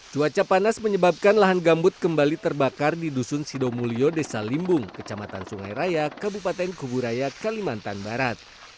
cuaca panas menyebabkan lahan gambut kembali terbakar di dusun sidomulyo desa limbung kecamatan sungai raya kabupaten kuburaya kalimantan barat